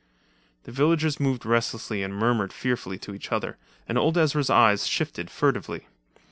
The villagers moved restlessly and murmured fearfully to each other, and old Ezra's eyes shifted furtively.